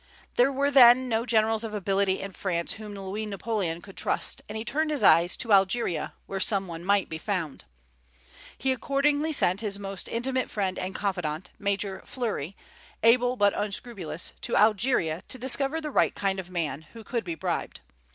There were then no generals of ability in France whom Louis Napoleon could trust, and he turned his eyes to Algeria, where some one might be found. He accordingly sent his most intimate friend and confidant, Major Fleury, able but unscrupulous, to Algeria to discover the right kind of man, who could be bribed.